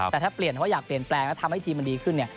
แต่ถ้าเปลี่ยนว่าอยากเปลี่ยนแปลงแล้วทำให้ทีมมันดีขึ้นเนี่ย